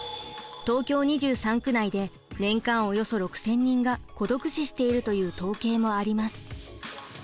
東京２３区内で年間およそ６，０００人が孤独死しているという統計もあります。